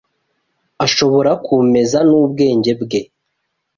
ashobora kumeza n'ubwenge bwe